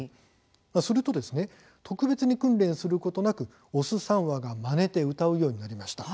すると特別に訓練することなく雄３羽がまねて歌うようになりました。